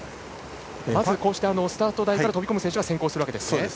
まずこうしてスタート台から飛び込む選手が先行するわけですね。